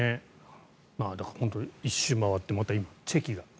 だから本当に１周回ってまた今、チェキが。